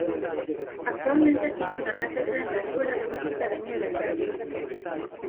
Actualmente tiene una cátedra en la Escuela de Música de Núremberg.